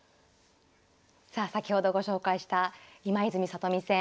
さあ先ほどご紹介した今泉・里見戦。